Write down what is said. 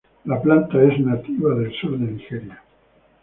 La planta es nativa del sur de Nigeria.